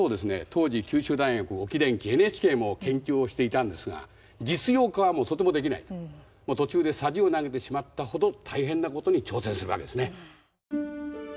当時九州大学沖電気ＮＨＫも研究をしていたんですが実用化はもうとてもできないと途中でさじを投げてしまったほど大変なことに挑戦するわけですね。